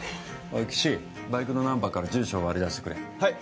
おい岸バイクのナンバーから住所を割り出してくれはい